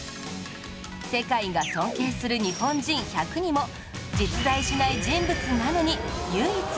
世界が尊敬する日本人１００にも実在しない人物なのに唯一選出されたのです